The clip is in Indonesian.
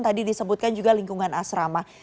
tadi disebutkan juga lingkungan asrama